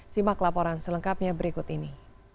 simak laporan selengkapnya berikut ini